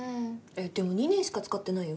でも２年しか使ってないよ？